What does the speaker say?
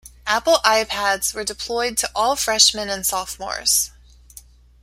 Apple iPads were deployed to all freshman and sophomores.